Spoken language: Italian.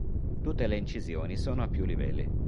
Tutte le incisioni sono a più livelli.